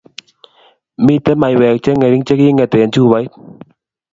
miten maywek chengering cheginget eng chupait